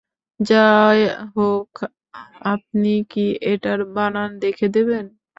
যাহোক, আপনি কি এটার বানান দেখে দেবেন?